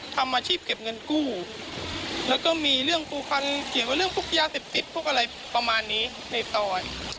ทำอาชีพเก็บเงินกู้แล้วก็มีเรื่องปูฟันเถียงกับเรื่องพวกยาเสพติดพวกอะไรประมาณนี้ในตอน